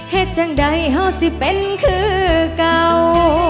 เหตุจังใดเห่าสิเป็นคือเก่า